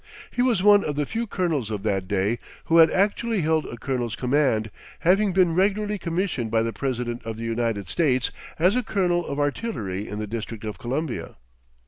He was one of the few colonels of that day who had actually held a colonel's command, having been regularly commissioned by the President of the United States as a colonel of artillery in the District of Columbia.